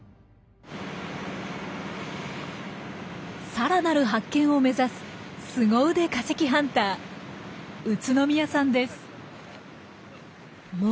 さらなる発見を目指すスゴ腕化石ハンター宇都宮さんです。